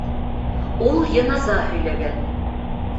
Ул йыназа һөйләгән.